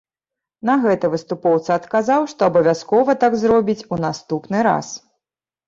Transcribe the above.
На гэта выступоўца адказаў, што абавязкова так зробіць у наступны раз.